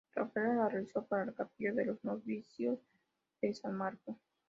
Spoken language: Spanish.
Rafael la realizó para la capilla de los Novicios de San Marco.